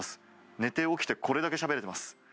寝て起きて、これだけしゃべれてます。